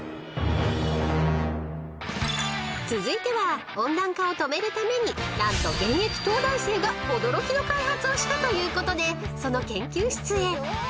［続いては温暖化を止めるために何と現役東大生が驚きの開発をしたということでその研究室へ］